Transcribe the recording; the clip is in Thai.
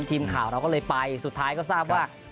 ทีมข่าวเราก็เลยไปสุดท้ายก็ทราบว่า